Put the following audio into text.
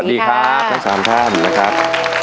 สวัสดีครับทั้ง๓ท่านนะครับ